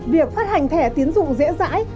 việc phát hành thẻ tiến dụng dễ dãi